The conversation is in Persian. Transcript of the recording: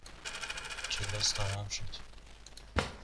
کلاس تمام شد.